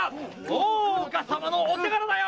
大岡様のお手柄だよ！